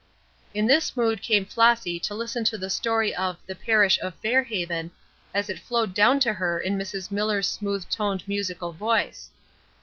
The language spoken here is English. In this mood came Flossy to listen to the story of "The Parish of Fair Haven," as it flowed down to her in Mrs. Miller's smooth toned musical voice.